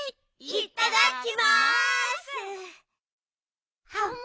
いただきます！